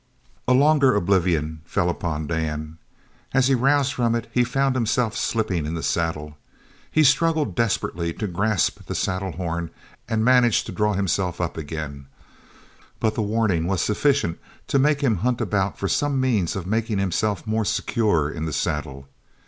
A longer oblivion fell upon Dan. As he roused from it he found himself slipping in the saddle. He struggled desperately to grasp the saddlehorn and managed to draw himself up again; but the warning was sufficient to make him hunt about for some means of making himself more secure in the saddle.